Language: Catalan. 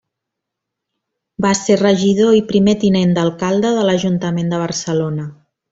Va ser regidor i primer tinent d'alcalde de l'Ajuntament de Barcelona.